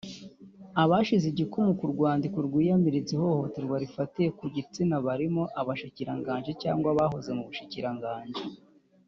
Abashize igikumu ku rwandiko rwiyamiriza ihohotera rifatiye ku gitsina barimwo abashikiranganji canke abahoze mu bushikiranganji